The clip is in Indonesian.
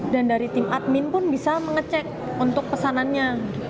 dan dari tim admin pun bisa mengecek untuk pesanannya